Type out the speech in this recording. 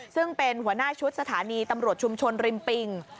ซึ่งเป็นหัวหน้าชุดสถานีตำรวจชุมชนริมปิง